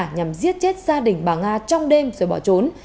nhằm giết chết gia đình bà nga trong đêm rồi bỏ trốn